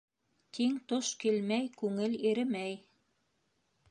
Тиң-тош килмәй, күңел иремәй.